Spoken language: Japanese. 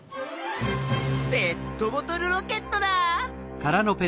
ペットボトルロケットだ！